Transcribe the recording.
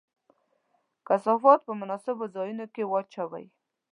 کثافات په مناسبو ځایونو کې واچوئ.